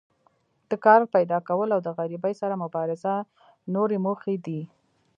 د کار پیداکول او د غریبۍ سره مبارزه نورې موخې دي.